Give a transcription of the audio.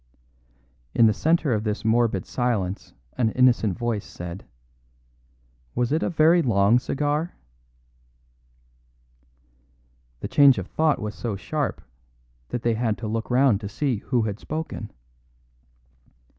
In the centre of this morbid silence an innocent voice said: "Was it a very long cigar?" The change of thought was so sharp that they had to look round to see who had spoken.